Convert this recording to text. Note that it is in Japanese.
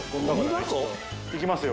いきますよ。